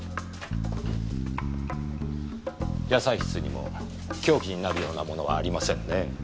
野菜室にも凶器になるようなものはありませんね。